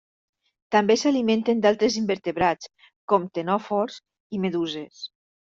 També s'alimenten d'altres invertebrats, com ctenòfors i meduses.